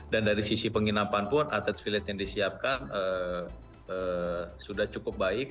dan dari sisi penginapan pun atlet village yang disiapkan sudah cukup baik